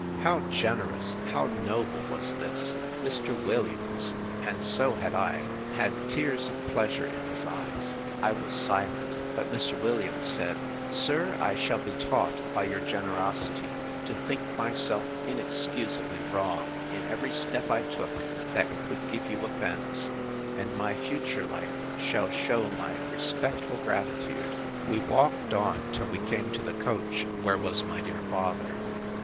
How generous, how noble, was this! Mr. Williams (and so had I) had tears of pleasure in his eyes. I was silent: But Mr. Williams said, Sir, I shall be taught, by your generosity, to think myself inexcusably wrong, in every step I took, that could give you offence; and my future life shall shew my respectful gratitude. We walked on till we came to the coach, where was my dear father.